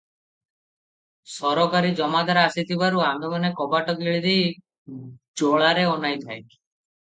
ସରକାରୀ ଜମାଦାର ଆସିଥିବାରୁ ଆମ୍ଭେମାନେ କବାଟ କିଳିଦେଇ ଜଳାରେ ଅନାଇଥାଏ ।